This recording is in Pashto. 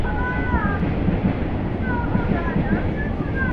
نه دچا خپل سوو نه پردي بس تر مطلبه پوري،